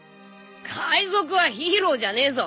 海賊はヒーローじゃねえぞ。